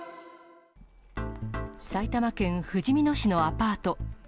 埼玉県ふじみ野市のアパート。